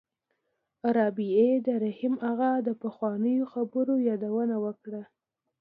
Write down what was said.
رابعې د رحیم اغا د پخوانیو خبرو یادونه وکړه.